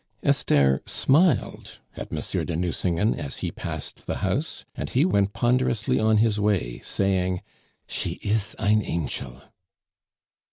Esther smiled at Monsieur de Nucingen as he passed the house, and he went ponderously on his way, saying: "She is ein anchel!"